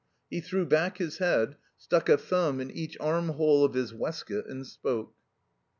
He threw back his head, stuck a thumb in each armhole of his waistcoat, and spoke.